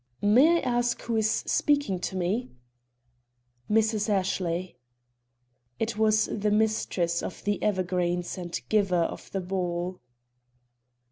"May I ask who is speaking to me?" "Mrs. Ashley." It was the mistress of The Evergreens and giver of the ball.